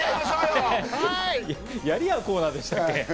やり合うコーナーでしたっけ？